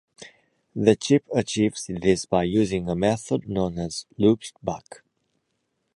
The chip achieves this by using a method known as 'loop-back'.